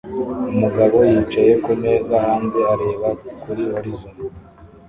Umugabo yicaye kumeza hanze areba kuri horizon